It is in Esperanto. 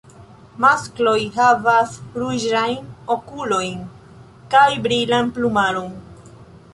Maskloj havas ruĝajn okulojn kaj brilan plumaron.